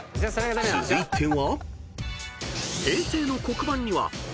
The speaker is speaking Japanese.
［続いては］